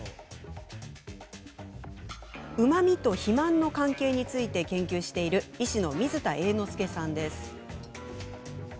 うまみと肥満の関係について研究している医師の水田栄之助さんです。